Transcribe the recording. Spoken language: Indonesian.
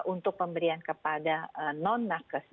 untuk pemberian kepada non nakes